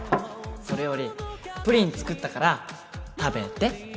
それよりプリン作ったから食べて